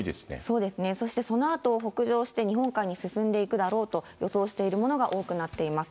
そうですね、そしてそのあと北上して、日本海に進んでいくだろうと予想しているものが多くなっています。